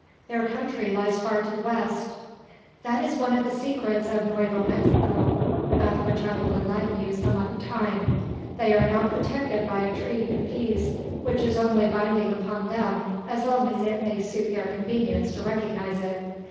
Their country lies far to the west." "That is one of the secrets of Nuevo Mexico, about which I will enlighten you some other time. They are now protected by a treaty of peace, which is only binding upon them so long as it may suit their convenience to recognise it.